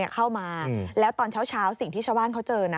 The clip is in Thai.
เข้ามาแล้วตอนเช้าสิ่งที่ชาวบ้านเขาเจอนะ